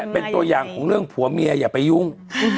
เป็นตัวอย่างของเรื่องผัวเมียอย่าไปยุ่ง